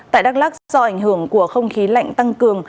tại đắk lắc do ảnh hưởng của không khí lạnh tăng cường